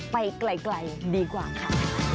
ไปไกลดีกว่าค่ะ